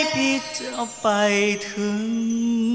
พี่จะไปถึง